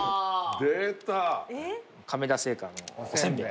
出た亀田製菓のお煎餅